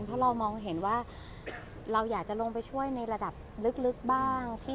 เพราะเรามองเห็นว่าเราอยากจะลงไปช่วยในระดับลึกบ้าง